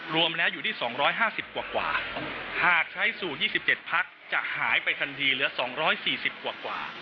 รวมแล้วอยู่ที่๒๕๐กว่าหากใช้สู่๒๗พักจะหายไปทันทีเหลือ๒๔๐กว่า